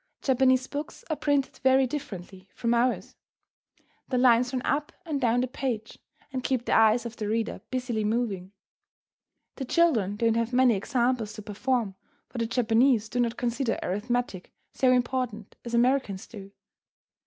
Japanese books are printed very differently from ours. The lines run up and down the page, and keep the eyes of the reader busily moving. The children don't have many examples to perform, for the Japanese do not consider arithmetic so important as Americans do.